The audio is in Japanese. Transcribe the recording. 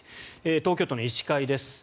東京都の医師会です。